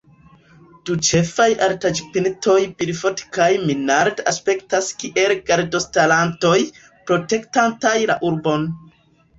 Du ĉefaj altaĵpintoj Bilfot kaj Minard aspektas kiel gardostarantoj, protektantaj la urbon.